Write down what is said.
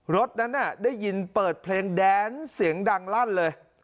รถนั้นได้ยินเปิดเพลงแดนเสียงดังลั่นเลย